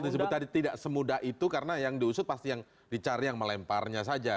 disebut tadi tidak semudah itu karena yang diusut pasti yang dicari yang melemparnya saja